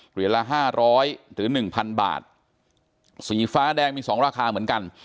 เหลือละ๕๐๐ถึง๑๐๐๐บาทสีฟ้าแดงมี๒ราคาเหมือนกัน